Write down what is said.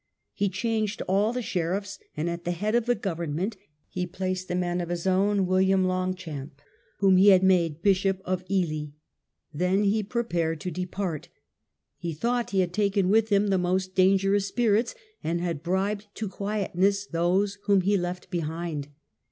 He changed all the sheriffs, and at the head of the government he placed a man of his own, William Longchamp, whom he had made Bishop of Ely. Then he prepared to depart. He thought he had taken with him the most dangerous spirits, and had bribed to quietness those whom he left behind.